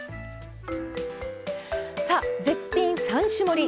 さあ絶品３種盛り